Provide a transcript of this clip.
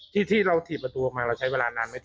ที่เราถีบประตูออกมาเราใช้เวลานานไหม